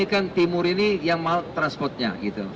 ini kan timur ini yang mahal transportnya